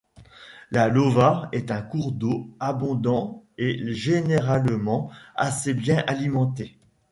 La Lovat est un cours d'eau abondant et généralement assez bien alimenté.